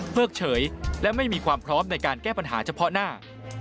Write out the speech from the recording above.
เฉยและไม่มีความพร้อมในการแก้ปัญหาเฉพาะหน้า